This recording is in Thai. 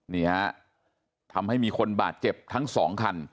นี่ฮะทำให้มีคนบาดเจ็บทั้งสองคัน